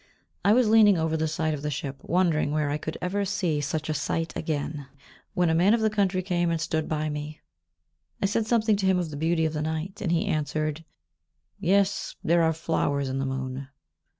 I was leaning over the side of the ship, wondering where I could ever see such a sight again, when a man of the country came and stood by me. I said something to him of the beauty of the night, and he answered, "Yes, there are flowers in the moon."